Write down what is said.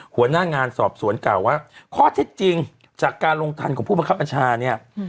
หัวหน้างานสอบสวนกล่าวว่าข้อเท็จจริงจากการลงทันของผู้บังคับบัญชาเนี่ย